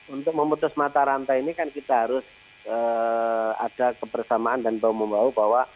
untuk memutus mata rantai ini kan kita harus ada kebersamaan dan bau bau bahwa